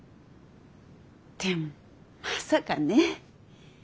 でもまさかね。